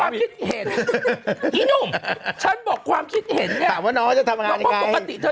ไอ้นุ่มฉันโบกความคิดเห็นเนี่ย